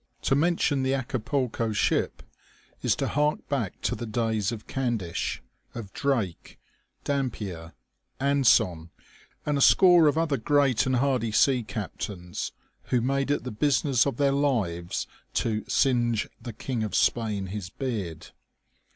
To mention the Acapulco ship is to hark back to the days of Gandish, of Drake, Dampier, Anson, and a score of other great and hardy sea captains, who made it the business of their lives to singe the King of Spain his beard."